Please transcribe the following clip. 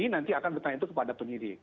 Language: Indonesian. nanti akan bertanya itu kepada penyidik